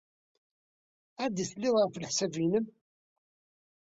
Anda ay tellid, ɣef leḥsab-nnem?